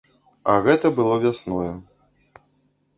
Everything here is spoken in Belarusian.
А гэта было вясною.